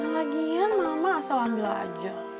lagian mama asal ambil aja